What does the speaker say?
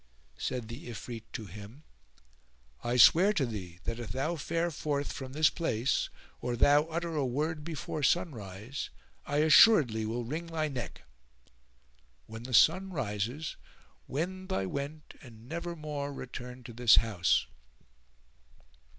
Said the Ifrit to him, "I swear to thee that if thou fare forth from this place, or thou utter a word before sunrise, I assuredly will wring thy neck. When the sun rises wend thy went and never more return to this house."